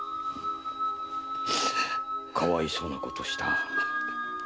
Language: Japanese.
かわいそうなことをした。